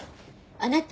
あなた。